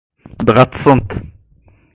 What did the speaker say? Dɣa ṭṭsent.